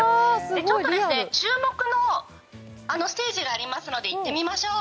ちょっと注目のステージがありますので行ってみましょう。